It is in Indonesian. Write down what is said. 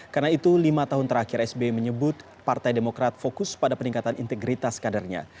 karena itu lima tahun terakhir sbi menyebut partai demokrat fokus pada peningkatan integritas kadernya